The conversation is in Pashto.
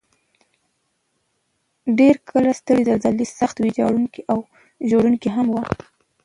ډېر کله سترې زلزلې سخت ویجاړونکي او وژونکي هم وي.